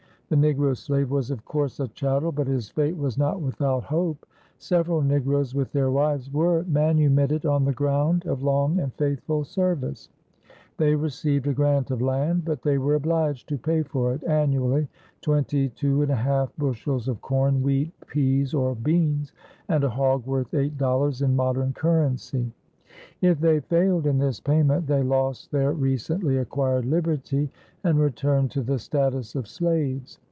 The negro slave was of course a chattel, but his fate was not without hope. Several negroes with their wives were manumitted on the ground of long and faithful service. They received a grant of land; but they were obliged to pay for it annually twenty two and a half bushels of corn, wheat, pease, or beans, and a hog worth eight dollars in modern currency. If they failed in this payment they lost their recently acquired liberty and returned to the status of slaves.